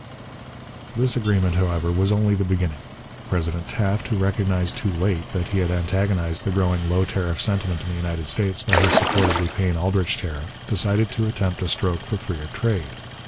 This agreement, however, was only the beginning. President Taft, who recognized too late that he had antagonized the growing low tariff sentiment in the United States by his support of the Payne Aldrich tariff, decided to attempt a stroke for freer trade.